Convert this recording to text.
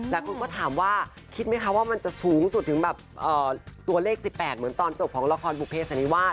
หลายคนก็ถามว่าคิดไหมคะว่ามันจะสูงสุดถึงแบบตัวเลข๑๘เหมือนตอนจบของละครบุเภสันนิวาส